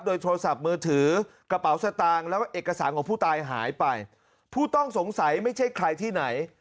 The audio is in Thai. โดยโทรศัพท์มือถือกระเป๋าสตางค์แล้วก็เอกสารของผู้ตายหายไปผู้ต้องสงสัยไม่ใช่ใครที่ไหน